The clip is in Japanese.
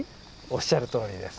おっしゃるとおりです。